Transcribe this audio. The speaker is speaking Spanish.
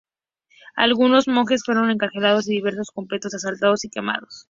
Algunos monjes fueron encarcelados y diversos conventos asaltados y quemados.